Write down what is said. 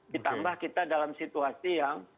ditambah kita dalam situasi yang